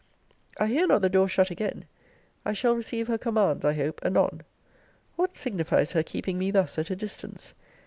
I hear not the door shut again. I shall receive her commands I hope anon. What signifies her keeping me thus at a distance?